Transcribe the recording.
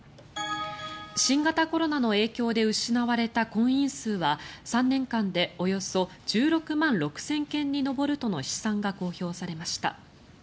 新型コロナの影響で失われた婚姻数は３年間でおよそ１６万６０００件に上るとの試算が公表されました。